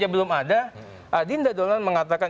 belum ada adinda donald mengatakan